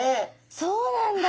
そうなんだ。